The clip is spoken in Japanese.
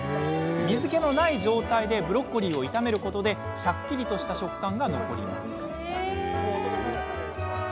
水けのない状態でブロッコリーを炒めることでシャッキリとした食感が残ります。